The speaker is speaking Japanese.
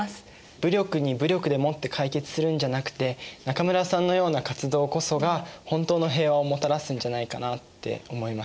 武力に武力でもって解決するんじゃなくて中村さんのような活動こそが本当の平和をもたらすんじゃないかなって思いました。